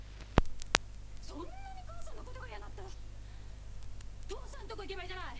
そんなに母さんのことが嫌だったら父さんとこ行けばいいじゃない！